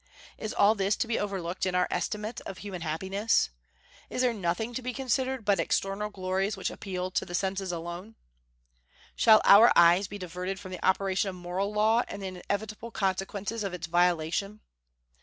Is all this to be overlooked in our estimate of human happiness? Is there nothing to be considered but external glories which appeal to the senses alone? Shall our eyes be diverted from the operation of moral law and the inevitable consequences of its violation?